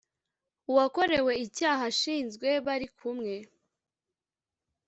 uwakorewe icyaha ashinzwe bari kumwe